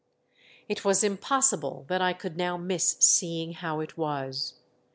It was impossible that I could now miss seeing how it was.